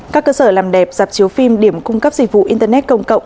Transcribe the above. các cơ sở làm đẹp dạp chiếu phim điểm cung cấp dịch vụ internet công cộng